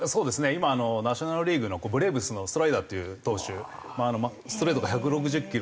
今ナショナル・リーグのブレーブスのストライダーっていう投手ストレートで１６０キロ